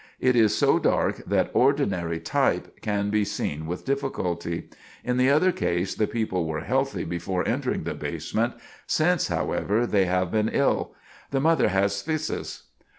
It is so dark that ordinary type can be seen with difficulty. In the other case the people were healthy before entering the basement; since, however, they have been ill; the mother has phthisis.